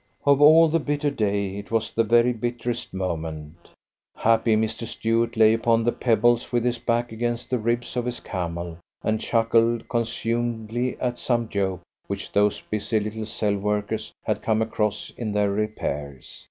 Of all the bitter day, it was the very bitterest moment. Happy Mr. Stuart lay upon the pebbles with his back against the ribs of his camel, and chuckled consumedly at some joke which those busy little cell workers had come across in their repairs.